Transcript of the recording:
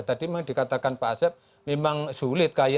tadi memang dikatakan pak asep memang sulit